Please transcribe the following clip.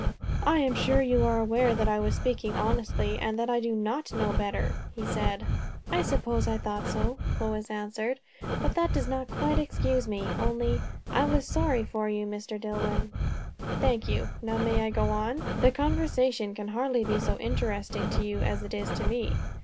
"I am sure you are aware that I was speaking honestly, and that I do not know better?" he said. "I suppose I thought so," Lois answered. "But that does not quite excuse me. Only I was sorry for you, Mr. Dillwyn." "Thank you. Now, may I go on? The conversation can hardly be so interesting to you as it is to me."